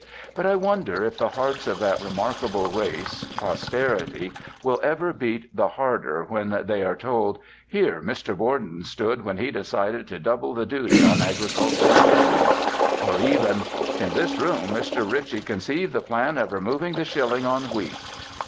But I wonder if the hearts of that remarkable race, posterity, will ever beat the harder when they are told, "Here Mr Borden stood when he decided to double the duty on agricultural implements," or even "In this room Mr Ritchie conceived the plan of removing the shilling on wheat."